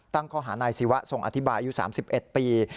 ตั้งข้อหานายศิวะทรงอธิบายอายุ๓๑ปี